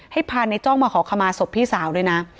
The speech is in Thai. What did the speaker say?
ให้พาในจ้องมาขอขมาศพพี่สาวด้วยนะ